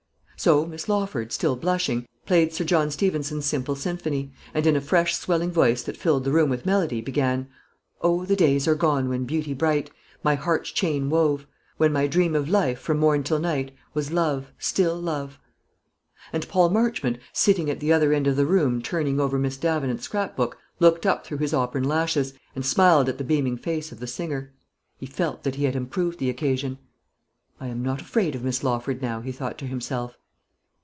So Miss Lawford, still blushing, with her eyelids still drooping, played Sir John Stevenson's simple symphony, and in a fresh swelling voice, that filled the room with melody, began: "Oh, the days are gone when beauty bright My heart's chain wove; When my dream of life, from morn till night, Was love, still love!" And Paul Marchmont, sitting at the other end of the room turning over Miss Davenant's scrap book, looked up through his auburn lashes, and smiled at the beaming face of the singer. He felt that he had improved the occasion. "I am not afraid of Miss Lawford now," he thought to himself.